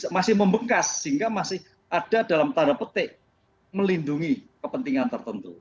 masih membengkas sehingga masih ada dalam tanda petik melindungi kepentingan tertentu